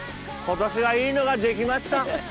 今年はいいのが出来ました。